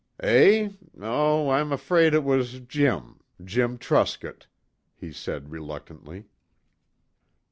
"Eh? Oh, I'm afraid it was Jim Jim Truscott," he said reluctantly.